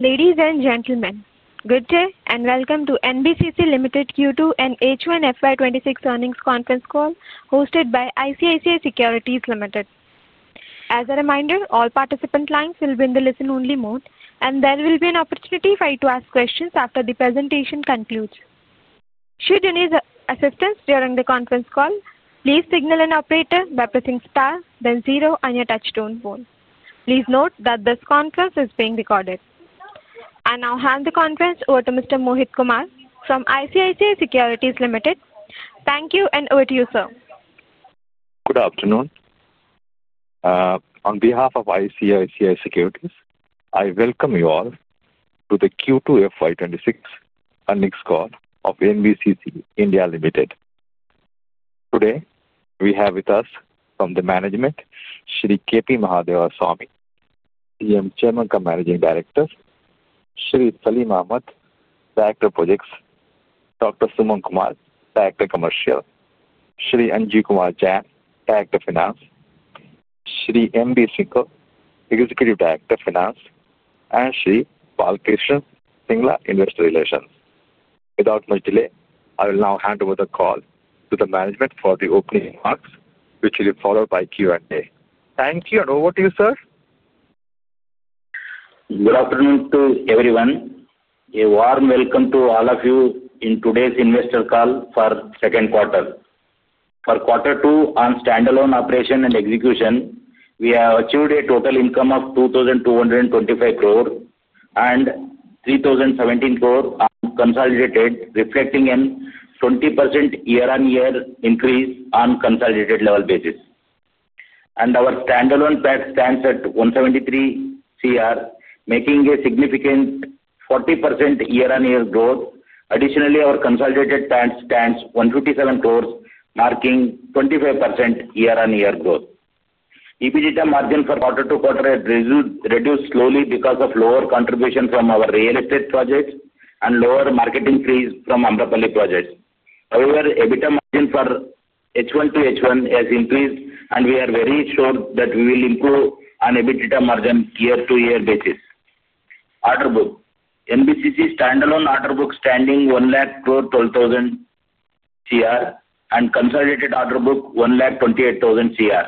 Ladies and gentlemen, good day and welcome to NBCC (India) Limited Q2 and H1 FY 2026 earnings conference call hosted by ICICI Securities Limited. As a reminder, all participant lines will be in the listen-only mode, and there will be an opportunity for you to ask questions after the presentation concludes. Should you need assistance during the conference call, please signal an operator by pressing star, then zero, on your touch-tone phone. Please note that this conference is being recorded. I now hand the conference over to Mr. Mohit Kumar from ICICI Securities Limited. Thank you, and over to you, sir. Good afternoon. On behalf of ICICI Securities, I welcome you all to the Q2 FY 2026 earnings call of NBCC (India) Limited. Today, we have with us from the management, Shri K.P. Mahadevaswamy, CMD; Shri Saleem Ahmad, Director of Projects; Dr. Suman Kumar, Director of Commercial; Shri Anjeev kumar Jain, Director of Finance; Shri M.B. Singhal, Executive Director of Finance; and Shri Balkishan Singla, Investor Relations. Without much delay, I will now hand over the call to the management for the opening remarks, which will be followed by Q&A. Thank you, and over to you, sir. Good afternoon to everyone. A warm welcome to all of you in today's investor call for second quarter. For quarter two, on standalone operation and execution, we have achieved a total income of 2,225 crore and 3,017 crore on consolidated, reflecting a 20% year-on-year increase on consolidated level basis. Our standalone PAT Stands at 173 crore, making a significant 40% year-on-year growth. Additionally, our consolidated PAT Stands at 157 crore, marking 25% year-on-year growth. EBITDA Margin for quarter to quarter has reduced slowly because of lower contribution from our Real Estate projects and lower marketing fees from Amrapali Projects. However, EBITDA Margin for H1 to H1 has increased, and we are very sure that we will improve on EBITDA Margin year-to-year basis. Order book: NBCC standalone order book standing 1,012,000 crore and consolidated order book 128,000 crore.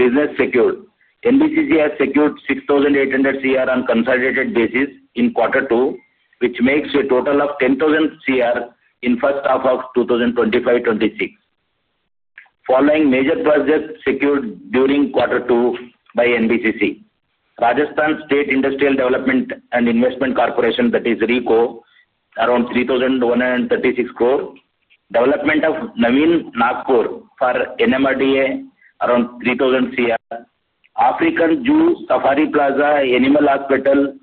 Business secured: NBCC has secured 6,800 crore on consolidated basis in quarter two, which makes a total of 10,000 crore in the first half of 2025-2026, following major projects secured during quarter two by NBCC. Rajasthan State Industrial Development and Investment Corporation, that is RIICO, around 3,136 crore; development of Naveen Nagpur for NMRDA, around 3,000 crore; African Safari Plaza, Animal Hospital,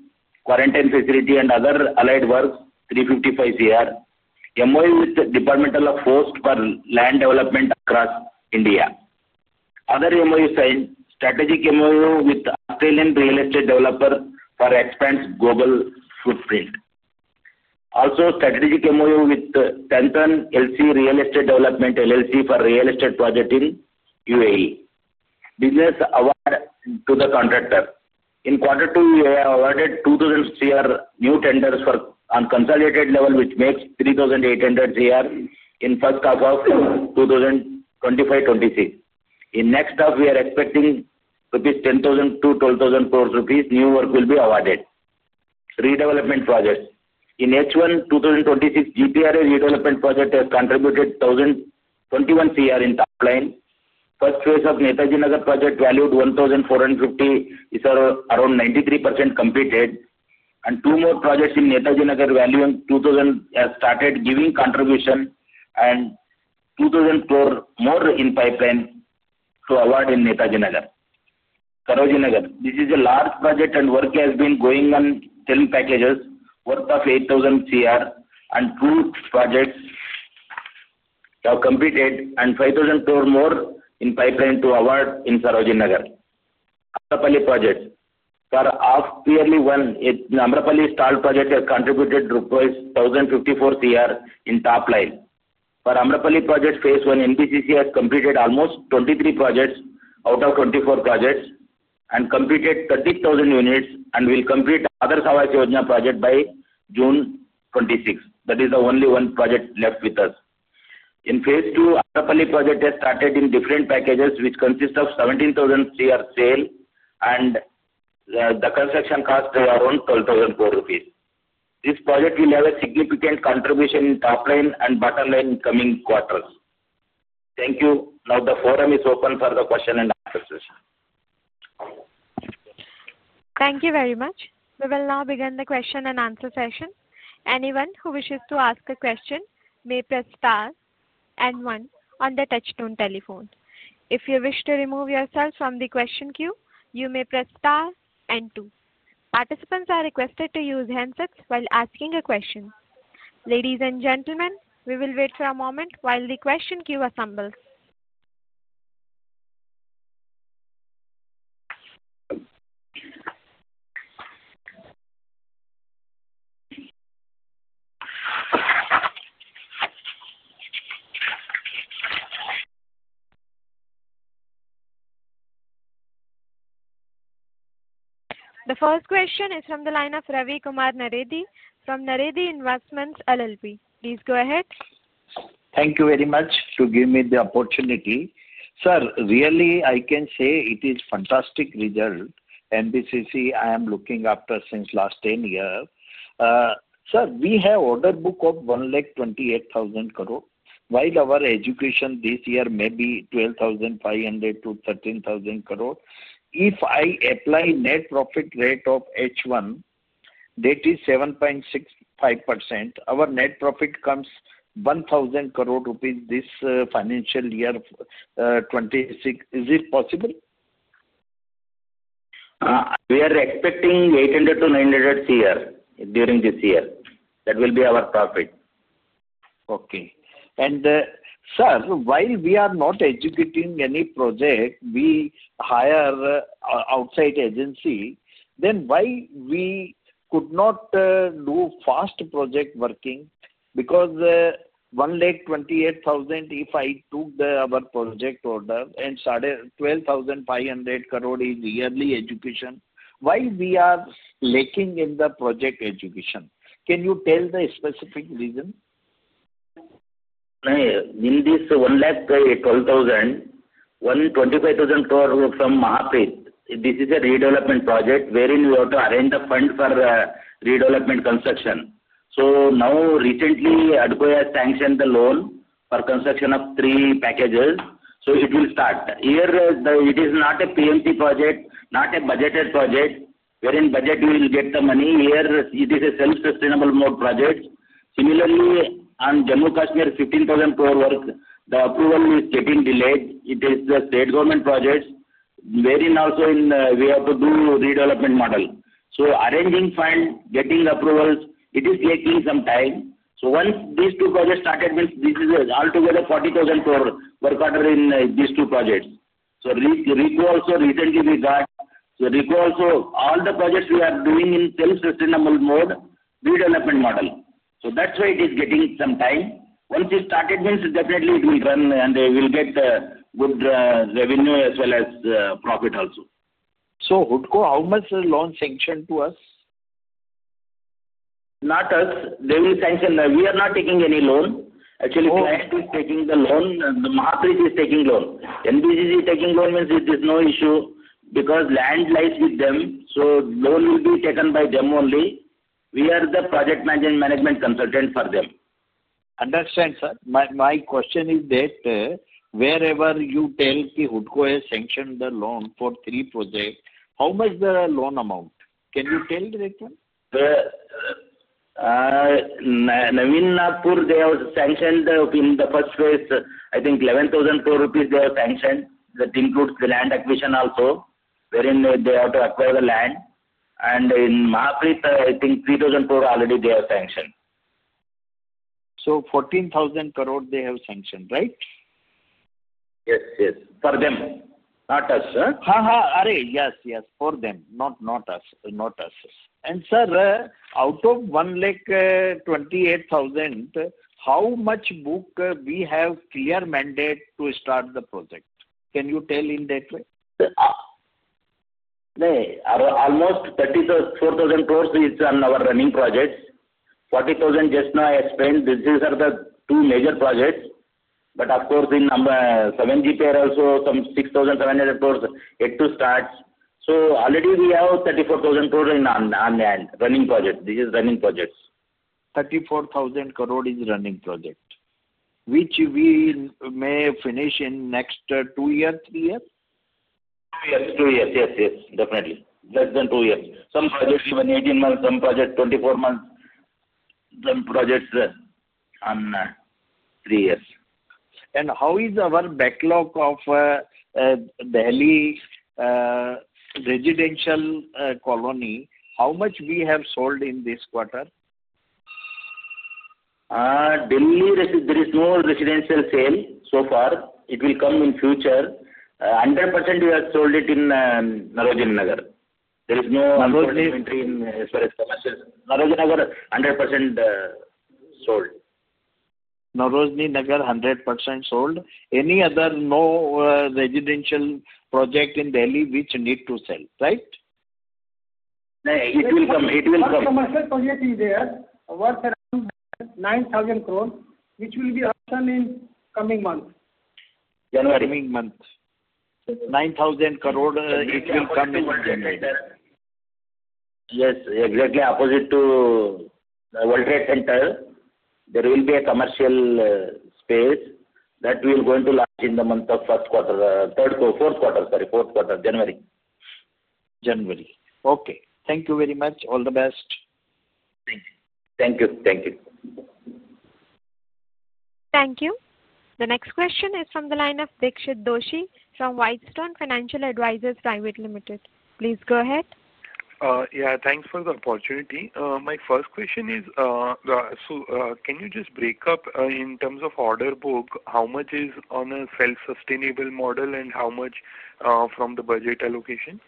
quarantine facility, and other allied works, 355 crore; MOU with the Department of Post for Land Development across India. Other MOU signed: strategic MOU with Australian Real Estate Developer for expands Global Footprint. Also, strategic MOU with Stanton LC Real Estate Development LLC for Real Estate project in UAE. Business award to the contractor: in quarter two, we have awarded 2,000 crore new tenders on consolidated level, which makes 3,800 crore in the first half of 2025-2026. In the next half, we are expecting 10,000-12,000 crore rupees new work will be awarded. Redevelopment projects: in H1 2026, GPRA Redevelopment Project has contributed 1,021 crore in top line. First phase of Netaji Nagar project, valued 1,450 crore, is around 93% completed. Two more projects in Netaji Nagar, valuing 2,000 crore, have started giving contribution and 2,000 crore more in pipeline to award in Netaji Nagar. Sarojini Nagar: this is a large project, and work has been going on film packages, worth 8,000 crore, and two projects have completed, and 5,000 crore more in pipeline to award in Sarojini Nagar. Amrapali project: for half-yearly one, the Amrapali stalled project has contributed 1,054 crore in top line. For Amrapali project phase one, NBCC has completed almost 23 projects out of 24 projects and completed 30,000 units and will complete other Sahayak Yojana project by June 2026. That is the only one project left with us. In phase II, Amrapali project has started in different packages, which consist of 17,000 crore sale, and the Construction Costs are around 12,000 crore rupees. This project will have a significant contribution in top line and bottom line in coming quarters. Thank you. Now, the forum is open for the question and answer session. Thank you very much. We will now begin the question and answer session. Anyone who wishes to ask a question may press star and one on the touch-tone telephone. If you wish to remove yourself from the question queue, you may press star and two. Participants are requested to use handsets while asking a question. Ladies and gentlemen, we will wait for a moment while the question queue assembles. The first question is from the line of Ravi Kumar Naredi, from Naredi Investments LLP. Please go ahead. Thank you very much for giving me the opportunity. Sir, really, I can say it is a fantastic result. NBCC I am looking after since the last 10 years. Sir, we have an order book of 128,000 crore, while our execution this year may be 12,500-13,000 crore. If I apply the Net Profit Rate of H1, that is 7.65%, our Net Profit comes to 1,000 crore rupees this Financial Year 2026. Is it possible? We are expecting 800-900 crore during this year. That will be our profit. Okay. Sir, while we are not executing any project, we hire an outside agency, then why could we not do fast project working? Because 128,000 crore if I took our project order and 12,500 crore is yearly execution, why are we lacking in the project execution? Can you tell the specific reason? In this 125,000 crore from MAHAPREIT, this is a redevelopment project wherein we have to arrange the fund for Redevelopment Construction. Now, recently, HUDCO has sanctioned the loan for construction of three packages, so it will start. Here, it is not a PMC project, not a budgeted project wherein budget you will get the money. Here, it is a self-sustainable mode project. Similarly, on Jammu & Kashmir, 15,000 crore work, the approval is getting delayed. It is a state government project wherein also we have to do redevelopment model. Arranging funds, getting approvals, it is taking some time. Once these two projects start, it means this is altogether 40,000 crore per quarter in these two projects. RIICO also recently we got. RIICO also, all the projects we are doing in self-sustainable mode, Redevelopment Model. That is why it is getting some time. Once it started, it means definitely it will run and we will get good revenue as well as profit also. HUDCO, how much loan sanctioned to us? Not us. They will sanction. We are not taking any loan. Actually, MAHAPREIT is taking the loan. MAHAPREIT is taking loan. NBCC is taking loan, means it is no issue because land lies with them, so loan will be taken by them only. We are the project management consultant for them. Understand, sir. My question is that wherever you tell the HUDCO has sanctioned the loan for three projects, how much is the loan amount? Can you tell directly? Naveen Nagpur, they have sanctioned in the first phase, I think 11,000 crore rupees they have sanctioned. That includes the land acquisition also wherein they have to acquire the land. In MAHAPREIT, I think 3,000 crore already they have sanctioned. 14,000 crore they have sanctioned, right? Yes, yes. For them. Not us, sir. Ha, ha. Arre, yes, yes. For them. Not us. Not us. Sir, out of 128,000 crore, how much book do we have clear mandate to start the project? Can you tell in that way? Almost 34,000 crore is on our running projects. 40,000 crore just now I explained. These are the two major projects. Of course, in 7GP also some INR 6,700 crore yet to start. Already we have 34,000 crore in our running project. This is running projects. 34,000 crore is running project. Which we may finish in next two years, three years? Two years. Two years. Yes, yes. Definitely. Less than two years. Some projects even 18 months, some projects 24 months. Some projects on three years. How is our backlog of Delhi Residential Colony? How much have we sold in this quarter? Delhi, there is no residential sale so far. It will come in future. 100% we have sold it in Sarojini Nagar. There is no inventory as far as commercial. Sarojini Nagar 100% sold. Sarojini Nagar 100% sold. Any other no Residential Project in Delhi which need to sell, right? It will come. It will come. Commercial Project is there. Worth around 9,000 crore, which will be open in coming month. January. Coming month. 9,000 crore, it will come in January. Yes. Exactly opposite to World Trade Center, there will be a commercial space that we will go into last in the month of first quarter. Fourth quarter, sorry. Fourth quarter. January. January. Okay. Thank you very much. All the best. Thank you. Thank you. Thank you. Thank you. The next question is from the line of Dixit Doshi from Whitestone Financial Advisors. Please go ahead. Yeah. Thanks for the opportunity. My first question is, can you just break up in terms of order book, how much is on a self-sustainable model and how much from the budget allocation?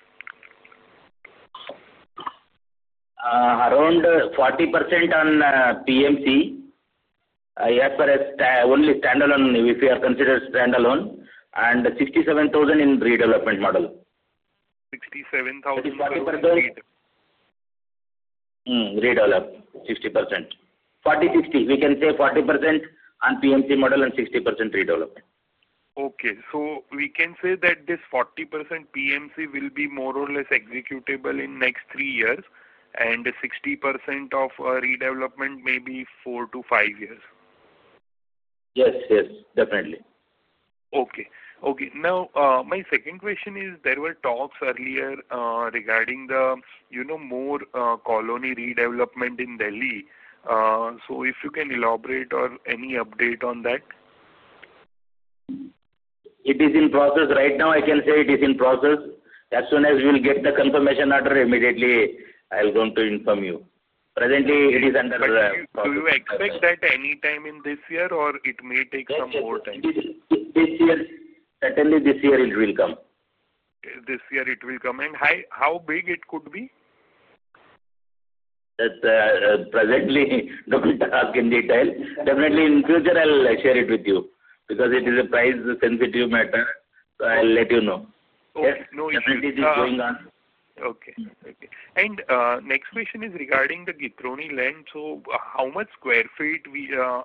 Around 40% on PMC as far as only standalone, if you consider standalone, and 67,000 crore in redevelopment model. 67,000 crore. 60% redevelopment. 60%. 40, 60. We can say 40% on PMC model and 60% redevelopment. Okay. So we can say that this 40% PMC will be more or less executable in next three years and 60% of redevelopment may be four to five years. Yes, yes. Definitely. Okay. Okay. Now, my second question is there were talks earlier regarding the more Colony Redevelopment in Delhi. So if you can elaborate or any update on that. It is in process right now. I can say it is in process. As soon as we will get the confirmation order immediately, I will go to inform you. Presently, it is under the process. So you expect that any time in this year or it may take some more time? This year. Certainly, this year it will come. This year it will come. How big it could be? Presently, I can't tell. Definitely, in future, I'll share it with you because it is a price-sensitive matter. I'll let you know. Definitely, it is going on. Okay. Next question is regarding the Ghitorni Land. How much square feet,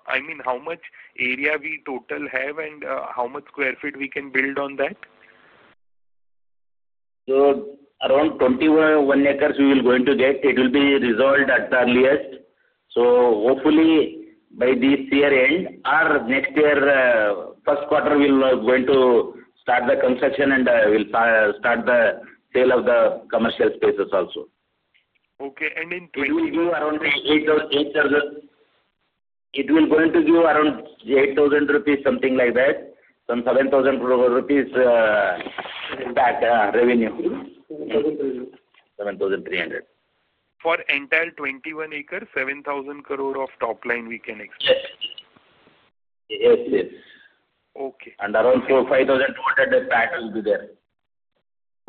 I mean, how much area we total have and how much square feet we can build on that? Around 21 acres we will go into that. It will be resolved at the earliest. Hopefully, by this year end or next year, first quarter, we're going to start the construction and we'll start the sale of the commercial spaces also. Okay. In 2024? It will give around INR 8,000. It will go into give around 8,000 rupees, something like that. Some 7,000 crore rupees revenue. INR 7,000 revenue. 7,300. For entire 21 acres, 7,000 crore of top line we can expect. Yes, yes. Okay. And around 5,200 crore that will be there.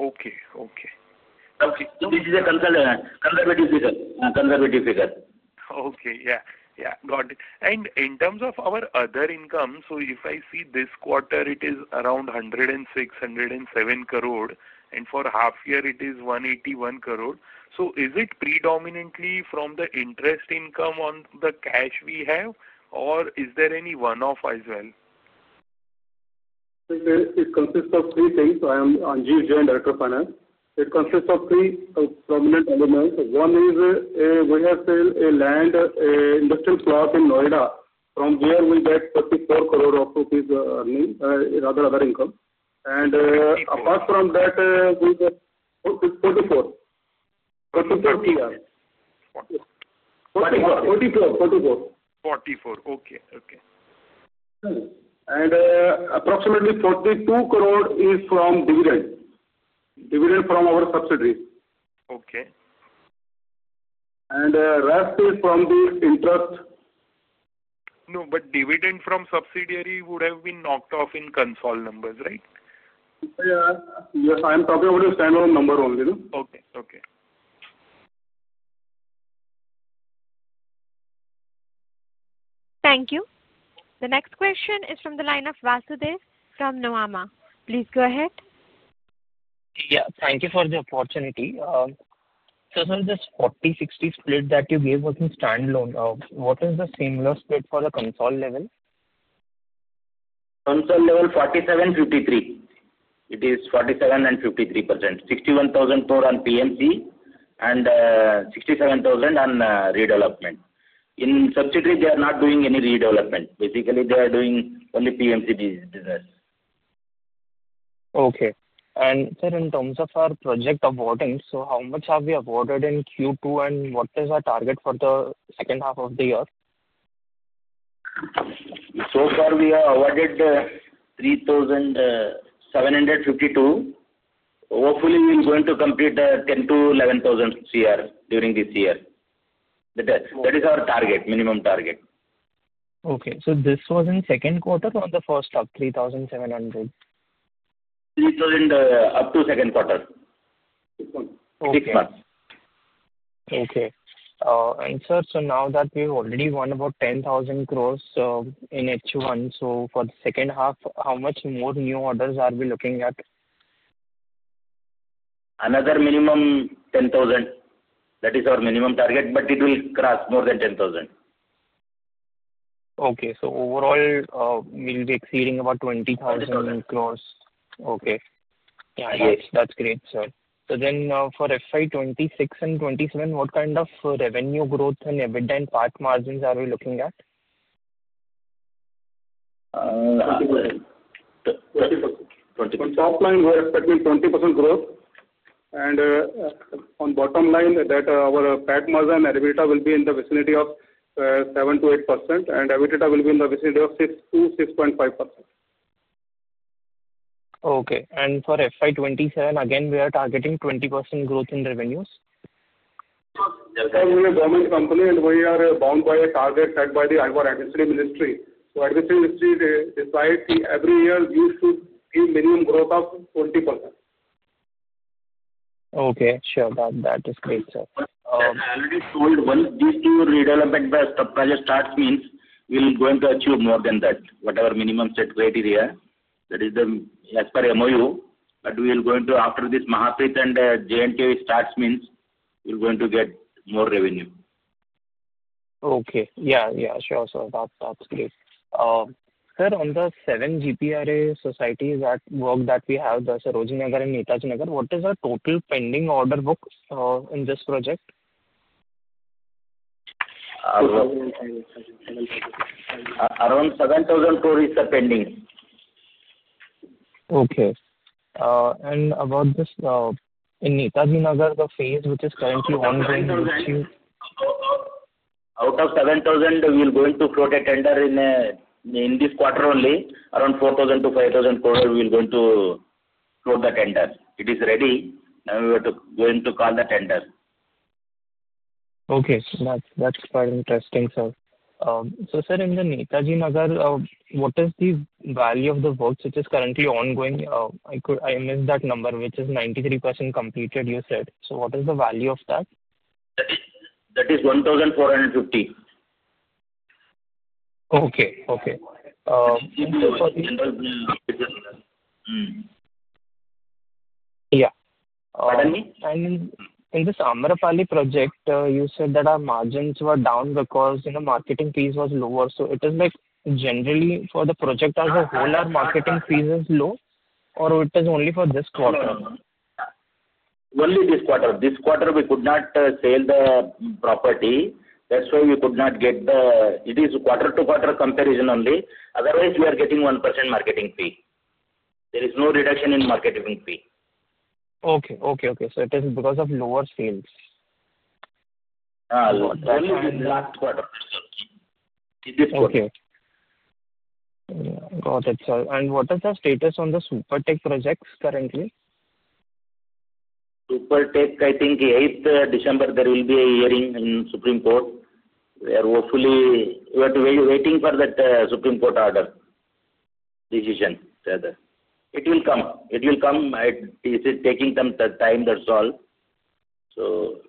Okay. Okay. Okay. This is a conservative figure. Conservative Figure. Okay. Yeah. Yeah. Got it. In terms of our other income, if I see this quarter, it is around 106-107 crore. For half year, it is 181 crore. Is it predominantly from the interest income on the cash we have or is there any one-off as well? It consists of three things. I am Anjeev Jain, Director of Finance. It consists of three prominent elements. One is we have sale of land, an industrial plot in Noida from where we get 44 crore rupees earning, rather other income. Apart from that, it is 44 crore. 44 crore. 44 crore. 44 crore. Okay. Okay. Approximately 42 crore is from dividend. Dividend from our subsidiaries. Okay. The rest is from the interest. No, but dividend from subsidiary would have been knocked off in consol numbers, right? Yes. I am talking about the standalone number only. Okay. Okay. Thank you. The next question is from the line of Vasudev from Nuvama. Please go ahead. Yeah. Thank you for the opportunity. Sir, this 40-60 split that you gave was in standalone. What is the similar split for the consol level? Consol level 47, 53. It is 47% and 53%. 61,000 crore on PMC and 67,000 crore on redevelopment. In subsidiary, they are not doing any redevelopment. Basically, they are doing only PMC business. Okay. Sir, in terms of our project awarding, how much have we awarded in Q2 and what is our target for the second half of the year? So far, we have awarded 3,752. Hopefully, we will go into complete 10,000-11,000 crore during this year. That is our target, minimum target. Okay. So this was in second quarter or the first half, 3,700? 3,000 up to second quarter. Six months. Okay. Sir, now that we have already won about 10,000 crore in H1, for the second half, how much more new orders are we looking at? Another minimum 10,000. That is our minimum target, but it will cross more than 10,000. Okay. So overall, we will be exceeding about 20,000 crore. Okay. That's great, sir. For FY 2026 and 2027, what kind of revenue growth and EBITDA and PAT margins are we looking at? 20%. 20%. On top line, we are expecting 20% growth. On bottom line, our PAT margin and EBITDA will be in the vicinity of 7-8% and EBITDA will be in the vicinity of 6-6.5%. Okay. For FY 2027, again, we are targeting 20% growth in revenues? We are a government company and we are bound by a target set by the Advisory Ministry. Advisory Ministry decides every year we should give minimum growth of 20%. Okay. Sure. That is great, sir. Already sold one. These two redevelopment projects start means we will go into achieve more than that, whatever minimum set rate is here. That is as per MOU. We will go into, after this MAHAPREIT and J&K start, means we will go into get more revenue. Okay. Yeah. Yeah. Sure. So that's great. Sir, on the seven GPRA societies work that we have, the Sarojini Nagar and Netaji Nagar, what is the total pending order book in this project? Around INR 7,000 crore is the pending. Okay. And about this Netaji Nagar phase, which is currently ongoing, which you? Out of 7,000 crore, we will go into float a tender in this quarter only. Around 4,000-5,000 crore we will go into float the tender. It is ready. Now we are going to call the tender. Okay. That's quite interesting, sir. So sir, in the Netaji Nagar, what is the value of the works which is currently ongoing? I missed that number, which is 93% completed, you said. What is the value of that? That is 1,450 crore. Okay. Okay. Yeah. Pardon me? In this Amrapali Project, you said that our margins were down because Marketing Fees was lower. Is it generally for the project as a whole, our Marketing Fees is low, or is it only for this quarter? Only this quarter. This quarter, we could not sell the property. That's why we could not get the it is quarter to quarter comparison only. Otherwise, we are getting 1% marketing fee. There is no reduction in marketing fee. Okay. Okay. Okay. It is because of lower sales. Last quarter. In this quarter. Okay. Got it, sir. What is the status on the Supertech projects currently? Supertech, I think 8th December, there will be a hearing in Supreme Court. We are hopefully waiting for that Supreme Court order decision. It will come. It is taking some time, that's all.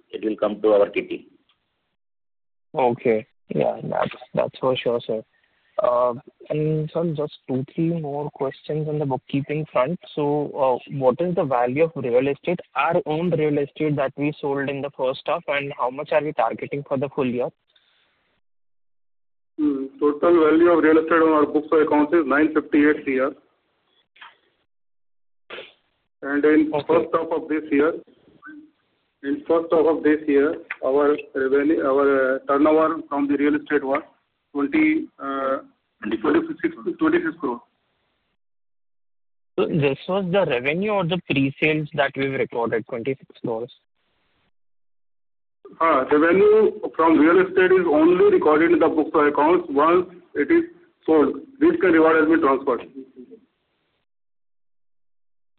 It will come to our KT. Okay. Yeah. That's for sure, sir. And sir, just two or three more questions on the bookkeeping front. What is the value of Real Estate, our own Real Estate that we sold in the first half, and how much are we targeting for the full year? Total value of Real Estate on our book accounts is 958 crore. In first half of this year, in first half of this year, our turnover from the Real Estate was INR 26 crore. So this was the revenue or the pre-sales that we have recorded, 26 crore? Revenue from Real Estate is only recorded in the book accounts once it is sold. This can be reward as we transfer.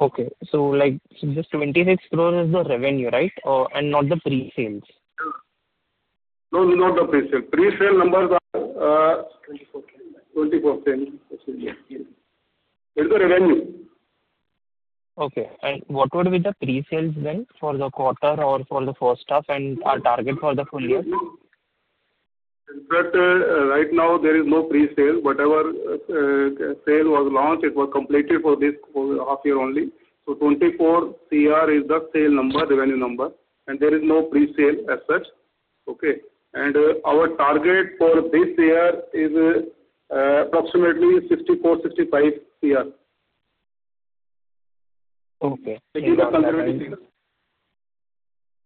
Okay. So just 26 crore is the revenue, right? And not the pre-sales? No, not the pre-sale. Pre-sale numbers are 24%. It's the revenue. Okay. What would be the pre-sales then for the quarter or for the first half and our target for the full year? In fact, right now, there is no pre-sale. Whatever sale was launched, it was completed for this half year only. 24 crore is the sale number, revenue number. There is no pre-sale as such. Our target for this year is approximately INR 64-65 crore. Okay. This is the Conservative Figure.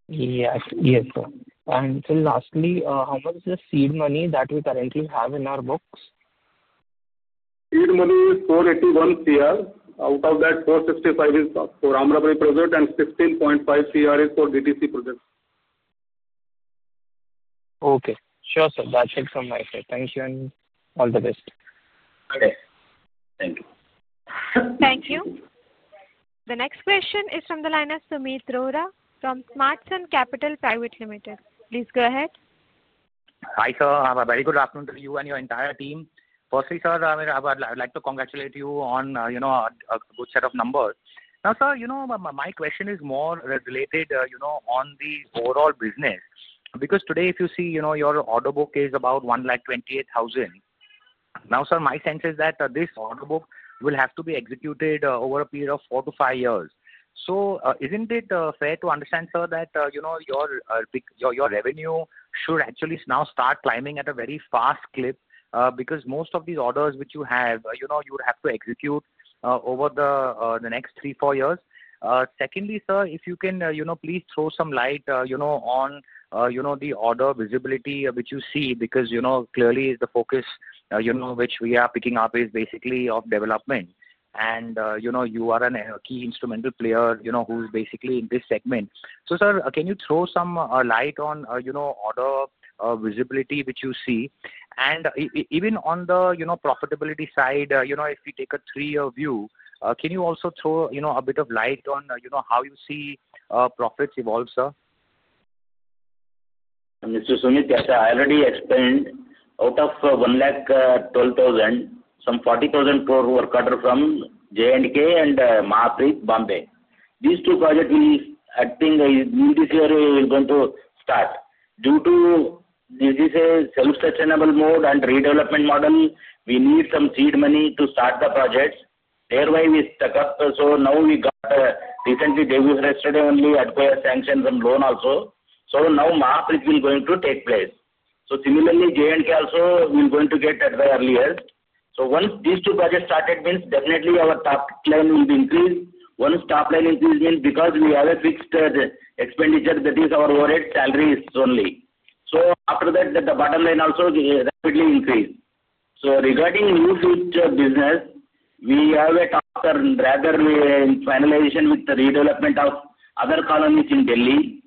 Yes. Sir, lastly, how much is the seed money that we currently have in our books? Seed money is 481 crore. Out of that, 465 crore is for Amrapali project and 16.5 crore is for DTC project. Okay. Sure, sir. That's it from my side. Thank you and all the best. Okay. Thank you. Thank you. The next question is from the line of Sumeet Rohra from Smartsun Capital Private Limited. Please go ahead. Hi sir. Very good afternoon to you and your entire team. Firstly, sir, I would like to congratulate you on a good set of numbers. Now, sir, my question is more related on the overall business. Because today, if you see, your order book is about 128,000 crore. Now, sir, my sense is that this order book will have to be executed over a period of four to five years. Isn't it fair to understand, sir, that your revenue should actually now start climbing at a very fast clip because most of these orders which you have, you would have to execute over the next three to four years? Secondly, sir, if you can please throw some light on the order visibility which you see because clearly the focus which we are picking up is basically of development. You are a key instrumental player who's basically in this segment. Sir, can you throw some light on order visibility which you see? Even on the profitability side, if we take a three-year view, can you also throw a bit of light on how you see profits evolve, sir? Mr. Sumeet sir, I already explained out of 112,000 crore, some 40,000 crore were cut from J&K and MAHAPREIT Bombay. These two projects will, I think, this year will go into start. Due to this self-sustainable mode and redevelopment model, we need some seed money to start the projects. Thereby, we stuck up. Now we got recently, debuted yesterday only, acquired sanctions and loan also. Now MAHAPREIT will go into take place. Similarly, J&K also will go into get at the early years. Once these two projects started, means definitely our top line will be increased. Once top line increase, means because we have a fixed expenditure, that is our overhead salaries only. After that, the bottom line also rapidly increased. Regarding new future business, we have a top rather finalization with the redevelopment of other colonies in Delhi.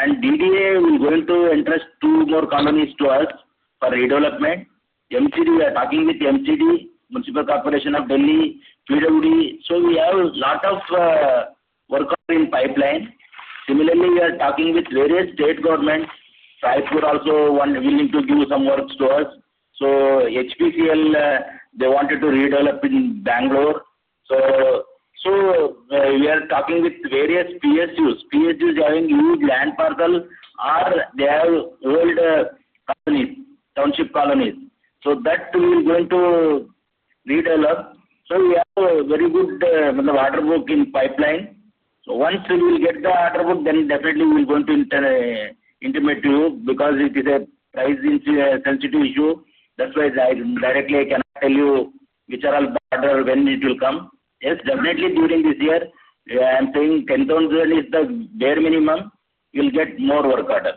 DDA will go to interest two more colonies to us for redevelopment. We are talking with MCD, Municipal Corporation of Delhi, PWD. We have a lot of work in pipeline. Similarly, we are talking with various state governments. Tribeca also willing to give some works to us. HPCL, they wanted to redevelop in Bangalore. We are talking with various PSUs. PSUs having huge land parcel or they have old colonies, township colonies. That we will go to redevelop. We have a very good order book in pipeline. Once we will get the order book, then definitely we will go to intimate you because it is a price sensitive issue. That's why directly I cannot tell you which are all order when it will come. Yes, definitely during this year, I am saying 10,000 crore is the bare minimum. We will get more work order.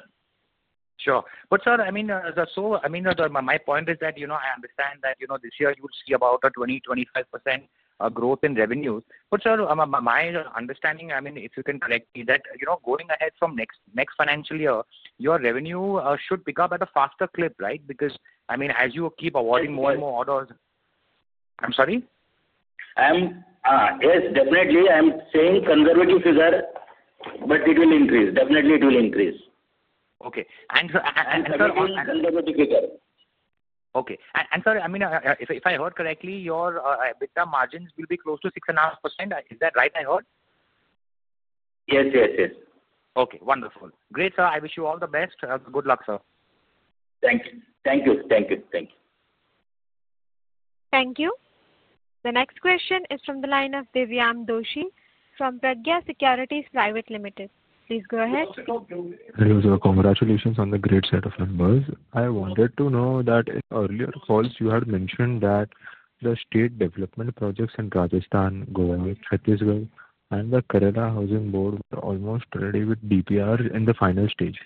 Sure. Sir, I mean, as I saw, I mean, my point is that I understand that this year you would see about a 20-25% growth in revenues. Sir, my understanding, I mean, if you can correct me, that going ahead from next financial year, your revenue should pick up at a faster clip, right? I mean, as you keep awarding more and more orders. I'm sorry? Yes, definitely. I am saying conservative figure, but it will increase. Definitely, it will increase. Okay. Sir, will you? Conservative figure. Okay. And sir, I mean, if I heard correctly, your EBITDA Margins will be close to 6.5%. Is that right I heard? Yes. Okay. Wonderful. Great, sir. I wish you all the best. Good luck, sir. Thank you. Thank you. The next question is from the line of Divyam Doshi from Pragya Securities Private Limited. Please go ahead. Hello. Congratulations on the great set of numbers. I wanted to know that in earlier calls, you had mentioned that the state development projects in Rajasthan, Goa, Chhattisgarh, and the Kerala Housing Board were almost ready with DPRs in the final stage.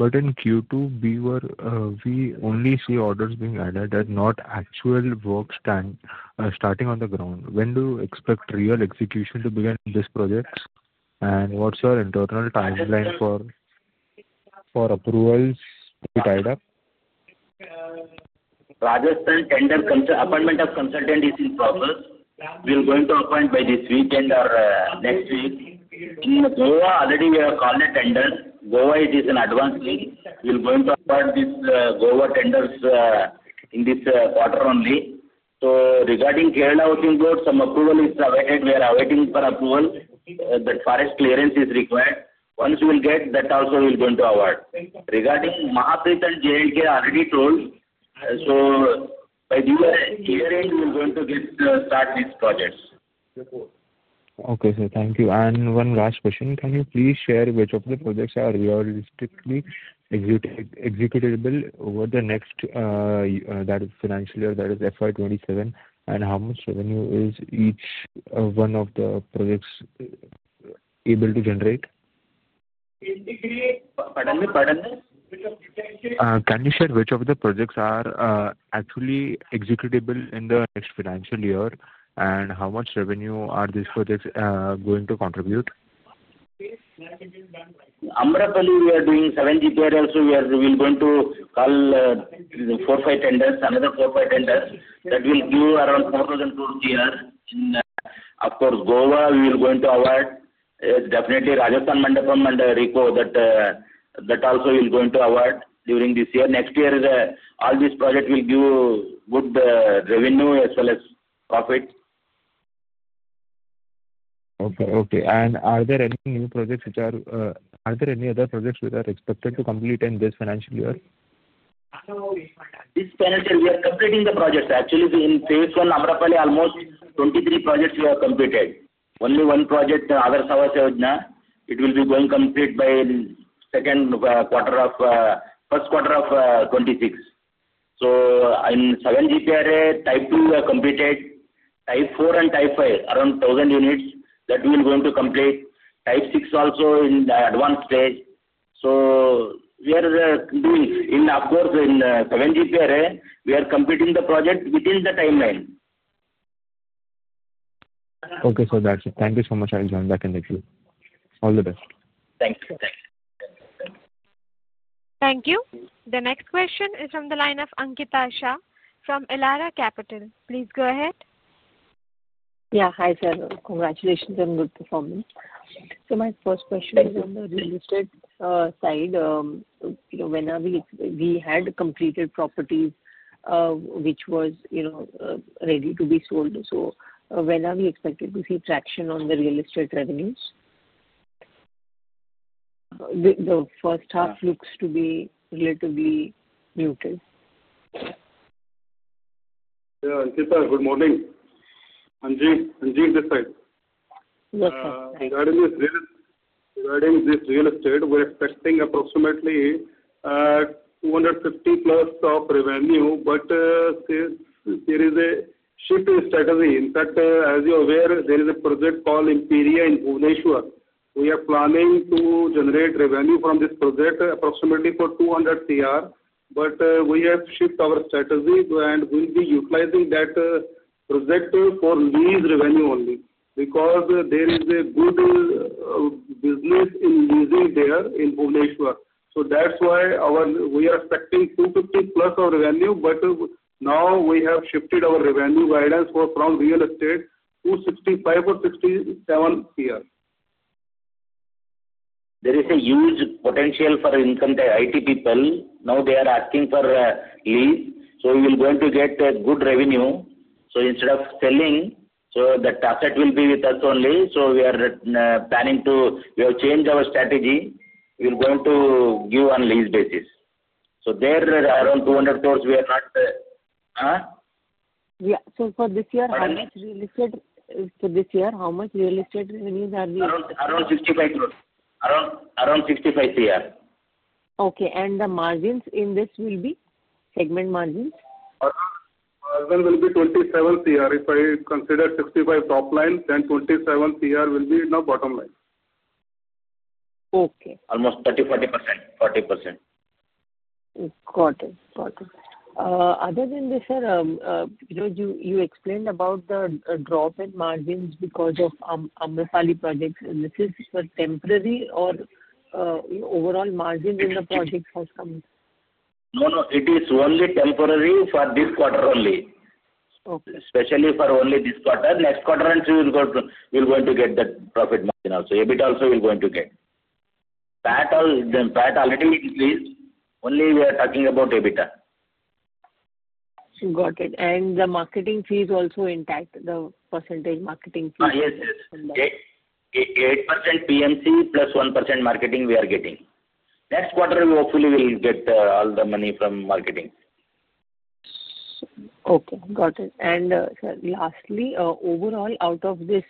In Q2, we only see orders being added and not actual works starting on the ground. When do you expect real execution to begin this project? What's your internal timeline for approvals to be tied up? Rajasthan tender appointment of consultant is in progress. We will go into appoint by this weekend or next week. Goa, already we have called a tender. Goa, it is in advance week. We will go into appoint this Goa tenders in this quarter only. Regarding Kerala Housing Board, some approval is awaited. We are awaiting for approval. That forest clearance is required. Once we will get that, also we will go into award. Regarding MAHAPREIT and J&K, already told. By the year end, we will go into start these projects. Okay. Thank you. One last question. Can you please share which of the projects are realistically executable over the next financial year, that is FY 2027, and how much revenue is each one of the projects able to generate? Can you share which of the projects are actually executable in the next financial year and how much revenue are these projects going to contribute? Amrapali, we are doing seven GPRLs. We will go into call four, five tenders, another four, five tenders that will give around 4,000 crore. Of course, Goa, we will go into award. Definitely, Rajasthan, Mandapuram, and RIICO, that also we will go into award during this year. Next year, all these projects will give good revenue as well as profit. Okay. Okay. Are there any new projects which are expected to complete in this Financial Year? This financial, we are completing the projects. Actually, in phase one, Amrapali, almost 23 projects we have completed. Only one project, Aadhar Seva Yojana, it will be going complete by second quarter of first quarter of 2026. In 7GPRA, type II completed, type IV and type V, around 1,000 units that we will go into complete. Type VI also in advanced stage. We are doing in, of course, in 7GPRA, we are completing the project within the timeline. Okay. So that's it. Thank you so much. I'll join back in the queue. All the best. Thank you. Thank you. Thank you. The next question is from the line of Ankita Shah from Elara Capital. Please go ahead. Yeah. Hi sir. Congratulations and good performance. My first question is on the Real Estate side. When we had completed properties which was ready to be sold, when are we expected to see traction on the Real Estate revenues? The first half looks to be relatively muted. Yeah. Ankita, good morning. Anjeev. Anjeev this side. Yes, sir. Regarding this Real Estate, we are expecting approximately 250 crore plus of revenue, but there is a shift in strategy. In fact, as you are aware, there is a project called Imperia in Bhubaneswar. We are planning to generate revenue from this project approximately for 200 crore, but we have shifted our strategy and will be utilizing that project for lease revenue only because there is a good business in leasing there in Bhubaneswar. That is why we are expecting 250 crore plus of revenue, but now we have shifted our revenue guidance from Real Estate to 65 crore or 67 crore. There is a huge potential for income to IT people. Now they are asking for lease. We will go into get good revenue. Instead of selling, the asset will be with us only. We are planning to, we have changed our strategy. We will go into give on lease basis. There are around 200 crore. We are not. Yeah. For this year, how much Real Estate, for this year, how much Real Estate revenues are we expecting? Around 65 crore. Around 65 crore. Okay. The margins in this will be? Segment margins? Margin will be INR 27 crore. If I consider 65 crore top line, then 27 crore will be in the bottom line. Okay. Almost 30-40%. 40%. Got it. Got it. Other than this, sir, you explained about the drop in margins because of Amrapali Projects. This is temporary or overall margin in the project has come? No, no. It is only temporary for this quarter only. Especially for only this quarter. Next quarter and two, we will go into get that profit margin also. EBITDA also we will go into get. PAT already increased. Only we are talking about EBITDA. Got it. The marketing fee is also intact? The percentage marketing fee? Yes, yes. 8% PMC plus 1% marketing we are getting. Next quarter, hopefully, we will get all the money from marketing. Okay. Got it. Sir, lastly, overall, out of this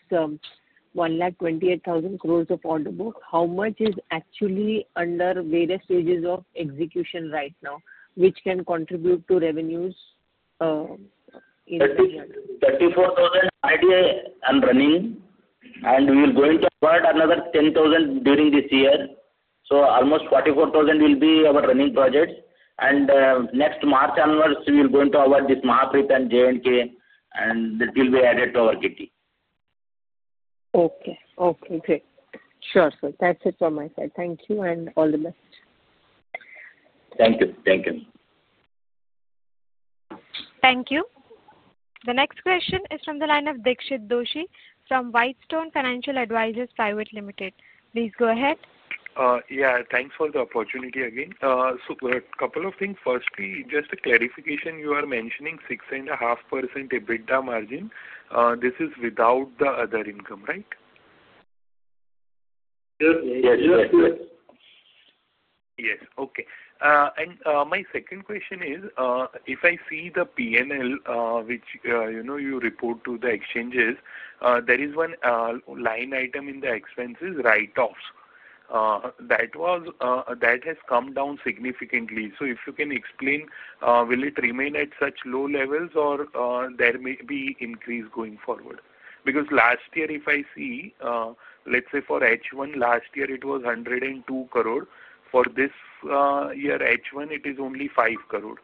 128,000 crore of order book, how much is actually under various stages of execution right now, which can contribute to revenues in the year? 34,000 already I am running. We will go into award another 10,000 during this year. Almost 44,000 will be our running projects. Next March and March, we will go into award this MAHAPREIT and J&K, and that will be added to our KT. Okay. Okay. Great. Sure, sir. That's it from my side. Thank you and all the best. Thank you. Thank you. Thank you. The next question is from the line of Dixit Doshi from Whitestone Financial Advisors. Please go ahead. Yeah. Thanks for the opportunity again. So a couple of things. Firstly, just a clarification. You are mentioning 6.5% EBITDA Margin. This is without the other income, right? Yes. Yes. Yes. Okay. My second question is, if I see the P&L, which you report to the exchanges, there is one line item in the expenses, write-offs. That has come down significantly. If you can explain, will it remain at such low levels or may there be an increase going forward? Last year, if I see, for H1, last year it was 102 crore. For this year, H1, it is only 5 crore.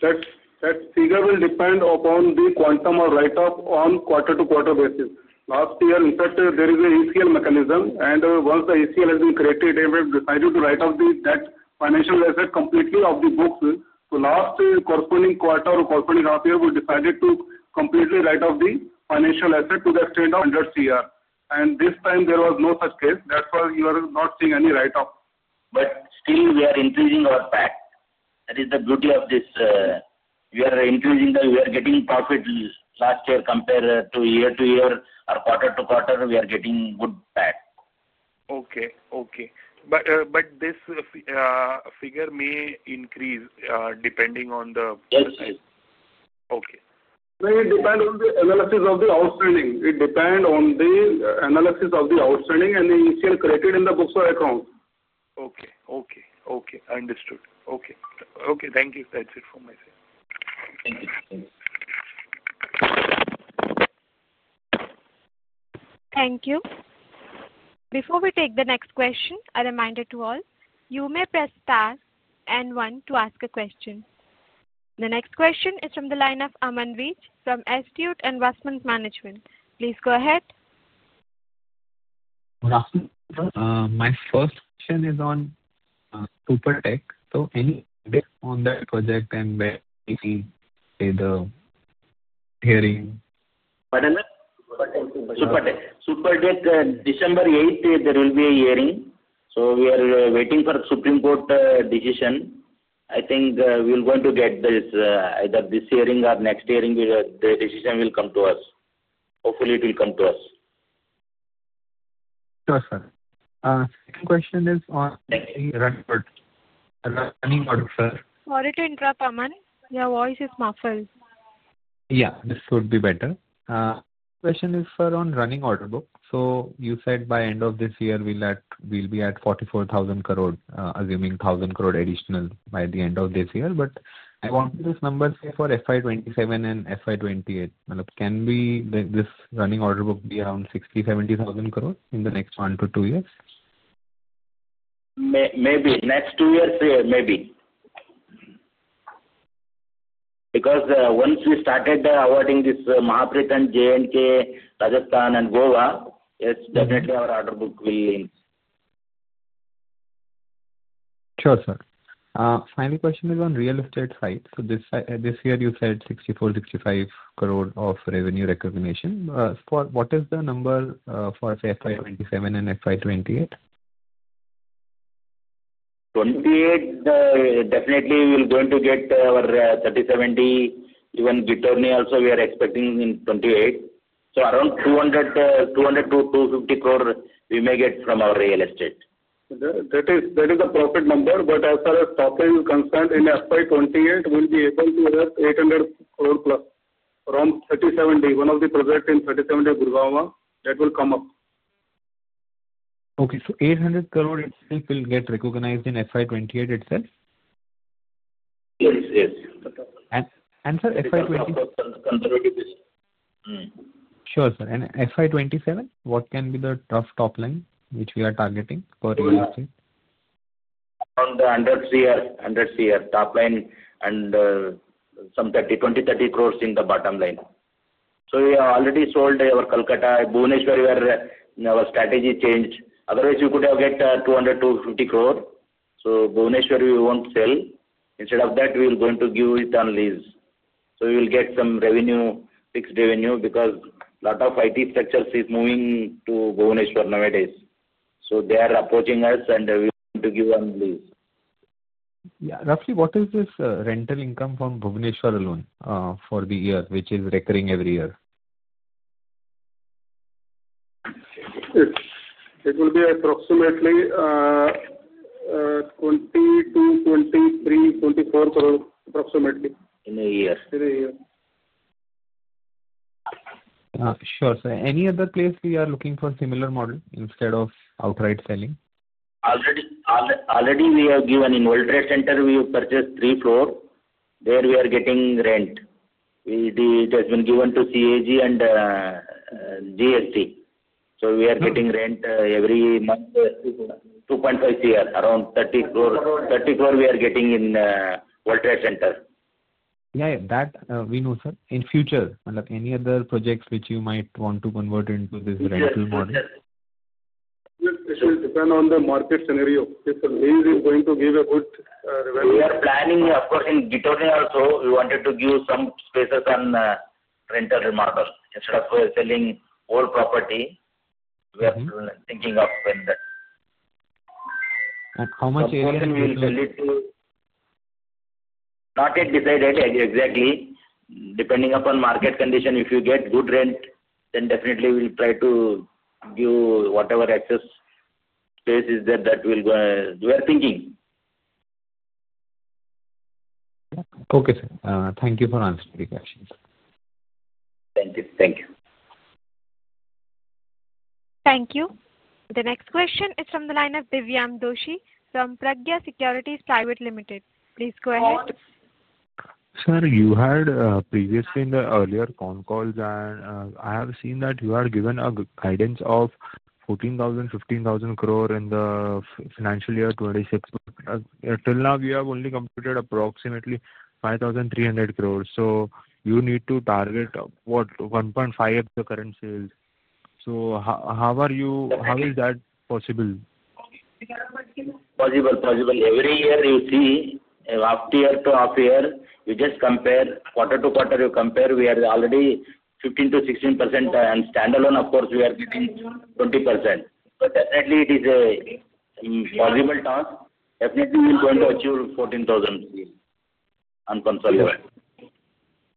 That figure will depend upon the quantum of write-off on quarter to quarter basis. Last year, in fact, there is an ACL mechanism. Once the ACL has been created, we have decided to write off that financial asset completely off the books. Last corresponding quarter or corresponding half year, we decided to completely write off the financial asset to the extent of 100 crore. This time, there was no such case. That is why you are not seeing any write-off. Still, we are increasing our PAT. That is the beauty of this. We are increasing the, we are getting profit last year compared to year to year or quarter to quarter, we are getting good PAT. Okay. Okay. This figure may increase depending on the. Yes. Okay. It depends on the analysis of the outstanding and the ACL created in the books of accounts. Okay. I understood. Thank you. That's it from my side. Thank you. Thank you. Thank you. Before we take the next question, a reminder to all, you may press star and one to ask a question. The next question is from the line of Amanveej from Stout Investment Management. Please go ahead. Good afternoon. My first question is on Supertech. Any update on that project and where you see, say, the hearing? Supertech. December 8th, there will be a hearing. We are waiting for the Supreme Court decision. I think we will get this either this hearing or next hearing. The decision will come to us. Hopefully, it will come to us. Sure, sir. Second question is on running order, sir. Sorry to interrupt, Aman. Your voice is muffled. Yeah. This would be better. Second question is, sir, on running order book. You said by end of this year, we'll be at 44,000 crore, assuming 1,000 crore additional by the end of this year. I want to see this number for FY 2027 and FY 2028. Can this running order book be around 60,000-70,000 crore in the next one to two years? Maybe. Next two years, maybe. Because once we started awarding this MAHAPREIT and J&K, Rajasthan, and Goa, definitely our order book will link. Sure, sir. Final question is on Real Estate side. This year, you said 64-65 crore of revenue recognition. What is the number for FY 2027 and FY 2028? Twenty-eight, definitely, we will go into get our 30:70. Even Ghitorni also, we are expecting in 2028. Around 200-250 crore, we may get from our Real Estate. That is the profit number. As far as property is concerned, in FY 2028, we will be able to have 800 crore plus around 30:70. One of the projects in 30:70, Bhubaneswar, that will come up. Okay. So 800 crore itself will get recognized in FY 2028 itself? Yes. Yes. Sir, FY 2020? Sure, sir. FY 2027, what can be the rough top line which we are targeting for Real Estate? On the INR 100 crore, INR 100 crore top line and some INR 20-30 crore in the bottom line. We have already sold our Kolkata, Bhubaneswar, where our strategy changed. Otherwise, we could have got 200-250 crore. Bhubaneswar, we will not sell. Instead of that, we will give it on lease. We will get some revenue, fixed revenue because a lot of IT structures are moving to Bhubaneswar nowadays. They are approaching us, and we want to give on lease. Yeah. Roughly, what is this rental income from Bhubaneswar alone for the year, which is recurring every year? It will be approximately 20 crore-23 crore, 24 crore approximately. In a year. In a year. Sure, sir. Any other place we are looking for similar model instead of outright selling? Already, we have given in World Trade Center, we have purchased three floors. There we are getting rent. It has been given to CAG and GST. So we are getting rent every month, 2.5 crore, around 30 crore. 30 crore we are getting in World Trade Center. Yeah. That we know, sir. In future, any other projects which you might want to convert into this rental model? It will depend on the market scenario. If lease is going to give a good revenue, we are planning, of course, in Ghitorni also, we wanted to give some spaces on rental remodel. Instead of selling whole property, we are thinking of doing that. How much area will you sell it to? Not yet decided exactly. Depending upon market condition, if you get good rent, then definitely we'll try to give whatever excess space is there that we are thinking. Okay, sir. Thank you for answering the question. Thank you. Thank you. Thank you. The next question is from the line of Divyam Doshi from Pragya Securities Private Limited. Please go ahead. Sir, you had previously in the earlier phone calls, and I have seen that you had given a guidance of 14,000-15,000 crore in the Financial Year 2026. Until now, we have only completed approximately 5,300 crore. You need to target 1.5 of the current sales. How is that possible? Possible. Possible. Every year, you see, half year to half year, you just compare quarter to quarter, you compare, we are already 15%-16%. And stand alone, of course, we are getting 20%. Definitely, it is a possible task. Definitely, we will go into achieve 14,000 on consolidation.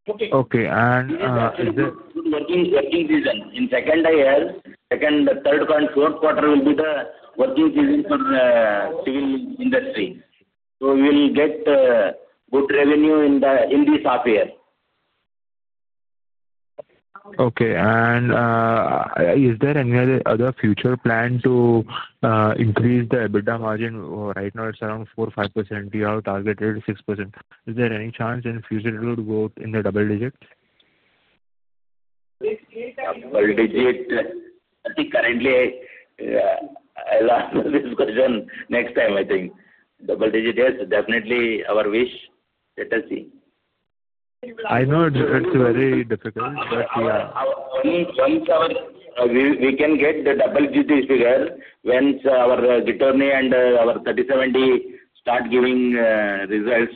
Okay. Is there? Working season. In second year, second, third, and fourth quarter will be the working season for civil industry. We will get good revenue in this half year. Okay. Is there any other future plan to increase the EBITDA Margin? Right now, it's around 4-5%. You have targeted 6%. Is there any chance in future it would go in the double digit? Double digit? I think currently, I'll answer this question next time, I think. Double digit, yes. Definitely, our wish. Let us see. I know it's very difficult, but yeah. Once we can get the double digit figure, once our Ghitorni and our 30:70 start giving results,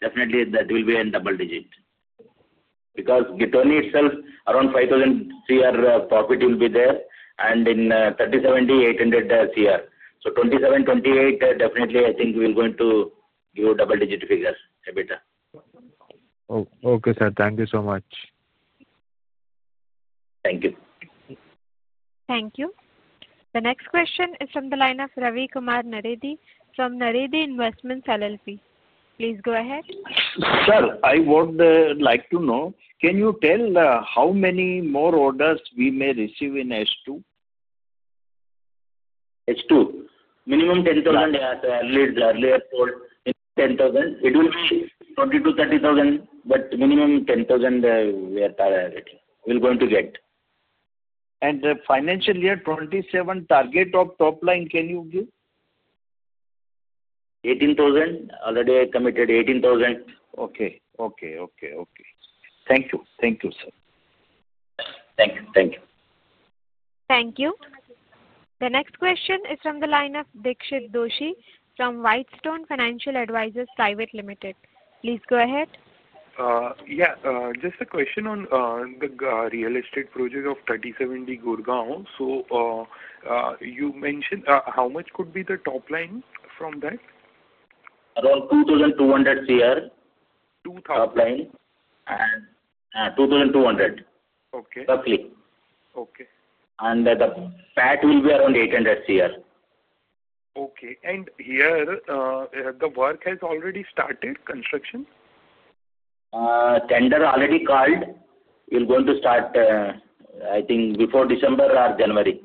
definitely that will be in double digit. Because Ghitorni itself, around 5,000 crore profit will be there. And in 30:70, 800 crore. So 2027-2028, definitely, I think we're going to give double digit figure, EBITDA. Okay, sir. Thank you so much. Thank you. Thank you. The next question is from the line of Ravi Kumar Naredi from Naredi Investments LLP. Please go ahead. Sir, I would like to know, can you tell how many more orders we may receive in H2? H2? Minimum 10,000, earlier told, 10,000. It will be 20,000-30,000, but minimum 10,000 we are targeting. We're going to get. The financial year 2027 target of top line, can you give? 18,000. Already I committed 18,000. Okay. Thank you, sir. Thank you. Thank you. Thank you. The next question is from the line of Dixit Doshi from Whitestone Financial Advisors. Please go ahead. Yeah. Just a question on the Real Estate project of 30:70 Gurgaon. So you mentioned how much could be the top line from that? Around 2,200 crore top line. 2,000? And 2,200. Okay. Roughly. Okay. The PAT will be around 800 crore. Okay. Here, the work has already started construction? Tender already called. We're going to start, I think, before December or January.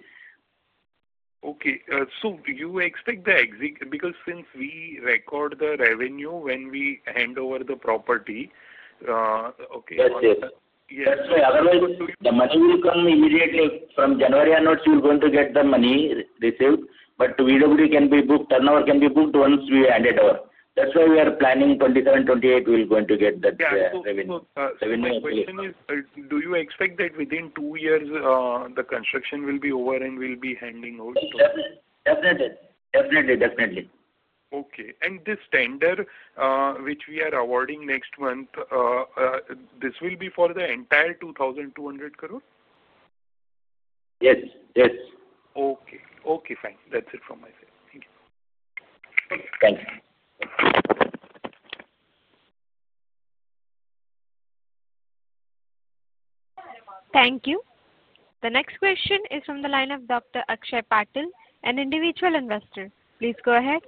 Okay. So you expect the exit because since we record the revenue when we hand over the property. Okay. That's it. That's why. Otherwise, the money will come immediately from January or not, we're going to get the money received. But VW can be booked. Turnover can be booked once we hand it over. That's why we are planning 2027-2028, we're going to get that revenue. My question is, do you expect that within two years, the construction will be over and we'll be handing over too? Definitely. Okay. This tender, which we are awarding next month, this will be for the entire 2,200 crore? Yes. Yes. Okay. Okay. Fine. That's it from my side. Thank you. Thanks. Thank you. The next question is from the line of Dr. Akshay Patil, an Individual Investor. Please go ahead.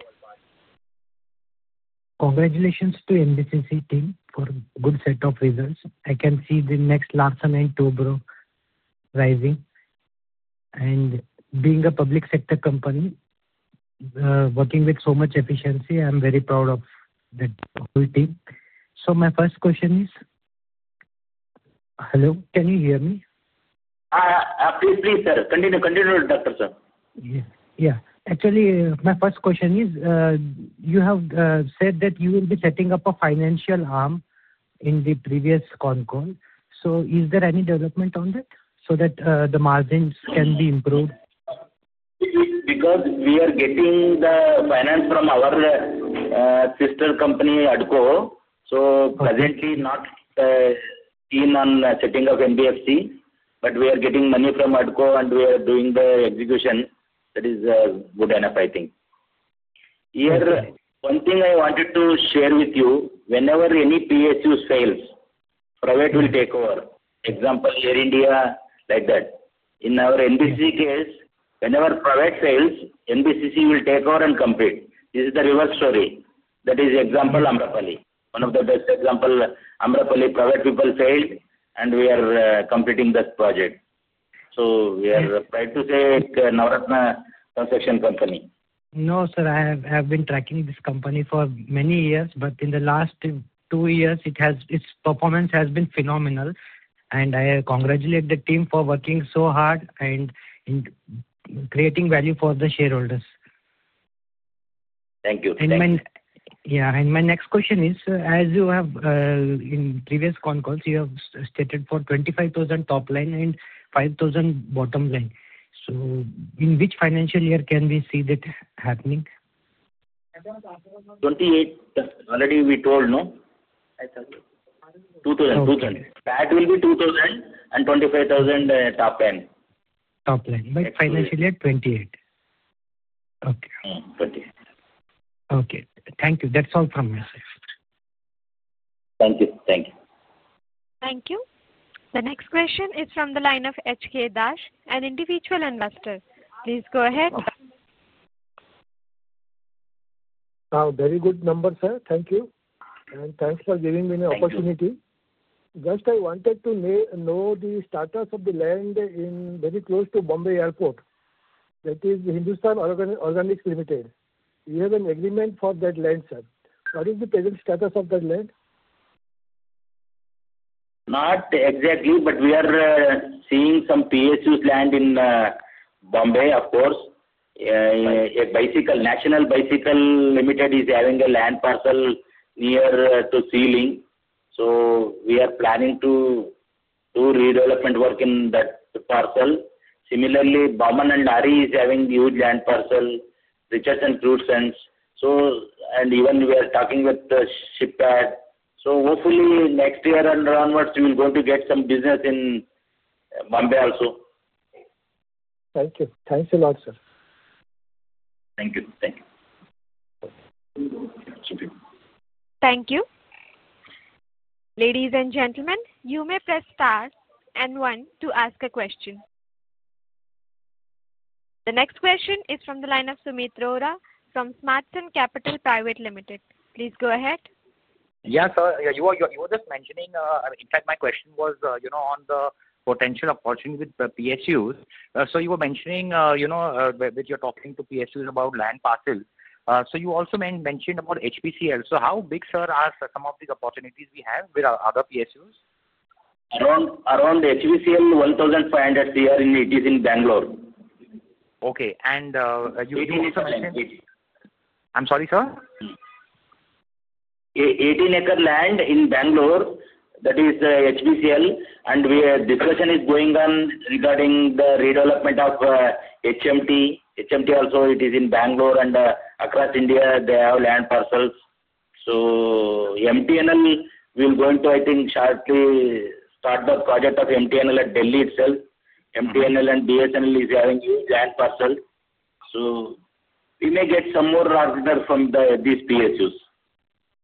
Congratulations to NBCC Team for a good set of results. I can see the next large amount of overall rising. Being a public sector company, working with so much efficiency, I'm very proud of that whole team. My first question is, hello, can you hear me? Please, sir. Continue. Continue, Dr. Sir. Yes. Yeah. Actually, my first question is, you have said that you will be setting up a financial arm in the previous con call. Is there any development on that so that the margins can be improved? Because we are getting the finance from our sister company HUDCO. So presently, not keen on setting up NBFC, but we are getting money from HUDCO, and we are doing the execution. That is good enough, I think. Here, one thing I wanted to share with you, whenever any PSU fails, private will take over. Example, Air India. Like that. In our NBCC case, whenever private fails, NBCC will take over and complete. This is the reverse story. That is example Amrapali. One of the best example, Amrapali private people failed, and we are completing that project. So we are proud to say Navratna Construction Company. No, sir. I have been tracking this company for many years, but in the last two years, its performance has been phenomenal. I congratulate the team for working so hard and creating value for the shareholders. Thank you. Thank you. Yeah. My next question is, as you have in previous concalls, you have stated for 25,000 crore top line and 5,000 crore bottom line. In which financial year can we see that happening? Already we told, no? 2,000. 2,000. PAT will be 2,000 and 25,000 crore top line. Top line. Financial Year 2028. Okay. Yeah. 28. Okay. Thank you. That's all from my side. Thank you. Thank you. Thank you. The next question is from the line of HK Dash, an Individual Investor. Please go ahead. Very good number, sir. Thank you. Thanks for giving me the opportunity. Just I wanted to know the status of the land very close to Bombay Airport. That is Hindustan Organics Limited. We have an agreement for that land, sir. What is the present status of that land? Not exactly, but we are seeing some PSUs' land in Mumbai, of course. National Bicycle Limited is having a land parcel near to Sea Link. We are planning to do redevelopment work in that parcel. Similarly, It can be Balmer Lawrie. is having huge land parcel, Richardson & Cruddas. Even we are talking with shipyard. Hopefully, next year and onwards, we will get some business in Mumbai also. Thank you. Thanks a lot, sir. Thank you. Thank you. Thank you. Ladies and gentlemen, you may press star and one to ask a question. The next question is from the line of Sumeet Rohra from Smartsun Capital Private Limited. Please go ahead. Yeah, sir. You were just mentioning, in fact, my question was on the potential opportunity with the PSUs. You were mentioning that you're talking to PSUs about land parcels. You also mentioned about HPCL. How big, sir, are some of the opportunities we have with other PSUs? Around HPCL, 1,500 crore in it is in Bangalore. Okay. You also mentioned. 18 acres land. I'm sorry, sir. 18 acre land in Bangalore. That is the HPCL. The discussion is going on regarding the redevelopment of HMT. HMT also is in Bangalore and across India, they have land parcels. MTNL will, I think, shortly start the project of MTNL at Delhi itself. MTNL and BSNL are having huge land parcels. We may get some more from these PSUs.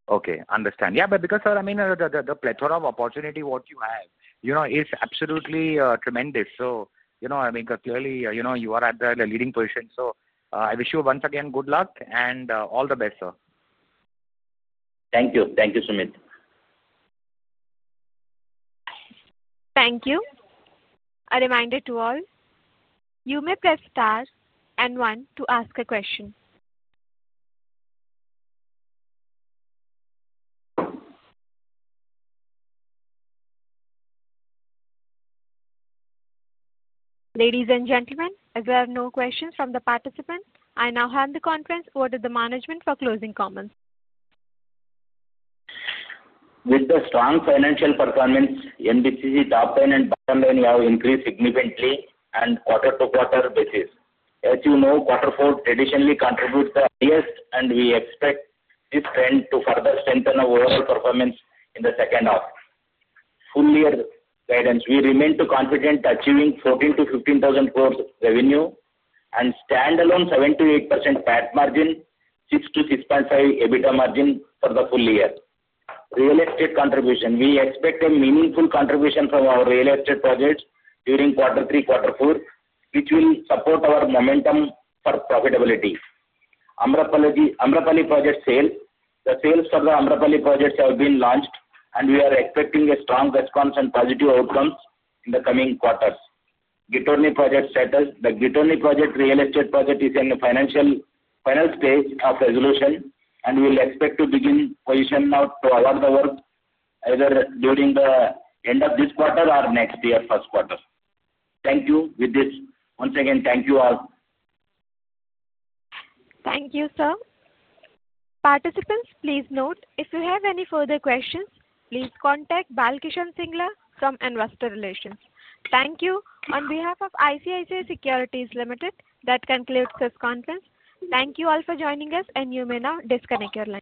Okay. Understand. Yeah. Because, sir, I mean, the plethora of opportunity what you have is absolutely tremendous. I mean, clearly, you are at the leading position. I wish you once again good luck and all the best, sir. Thank you. Thank you, Sumit. Thank you. A reminder to all, you may press star and one to ask a question. Ladies and gentlemen, as there are no questions from the participants, I now hand the conference over to the management for closing comments. With the strong financial performance, NBCC top line and bottom line have increased significantly on quarter-to-quarter basis. As you know, quarter four traditionally contributes the highest, and we expect this trend to further strengthen our overall performance in the second half. Full year guidance, we remain confident achieving 14,000-15,000 crore revenue and stand alone 7-8% PAT margin, 6-6.5% EBITDA Margin for the full year. Real Estate contribution, we expect a meaningful contribution from our Real Estate projects during quarter three, quarter four, which will support our momentum for profitability. Amrapali project sale, the sales for the Amrapali projects have been launched, and we are expecting a strong response and positive outcomes in the coming quarters. Ghitorni project status, the Ghitorni Real Estate project is in the final stage of resolution, and we will expect to begin position now to award the work either during the end of this quarter or next year first quarter. Thank you. With this, once again, thank you all. Thank you, sir. Participants, please note, if you have any further questions, please contact Balkishan Singla from Investor Relations. Thank you. On behalf of ICICI Securities Limited, that concludes this conference. Thank you all for joining us, and you may now disconnect your line.